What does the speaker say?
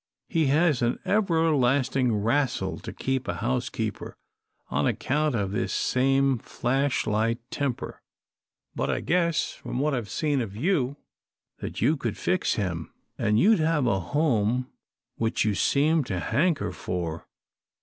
He has an everlasting wrastle to keep a housekeeper on account of this same flash light temper. But I guess from what I've seen of you, that you could fix him. And you'd have a home which you seem to hanker for.